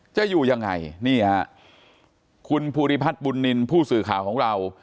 จะอยู่ยังไงนี่ฮะคุณภูริพัฒน์บุญนินทร์ผู้สื่อข่าวของเรา